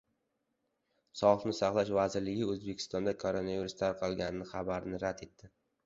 Sog‘liqni saqlash vazirligi O‘zbekistonda koronavirus tarqalgani xabarini rad etdi